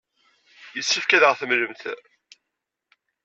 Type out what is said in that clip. Yessefk ad aɣ-tallemt.